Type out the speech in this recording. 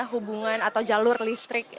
hubungan atau jalur listrik